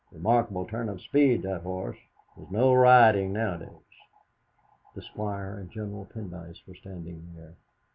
Remarkable turn of speed that horse. There's no riding nowadays!" The Squire and General Pendyce were standing there.